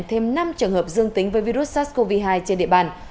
thêm năm trường hợp dương tính với virus sars cov hai trên địa bàn